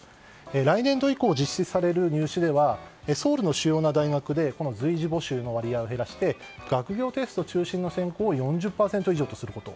来年度以降実施される入試ではソウルの主要な大学で随時募集の割合を減らして学業テスト中心の選考を４０％以上とすること。